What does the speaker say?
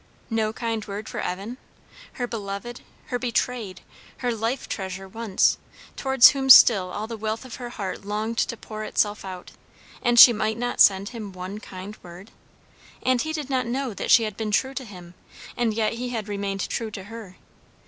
No kind word for Evan? her beloved, her betrayed, her life treasure once, towards whom still all the wealth of her heart longed to pour itself out; and she might not send him one kind word? And he did not know that she had been true to him; and yet he had remained true to her.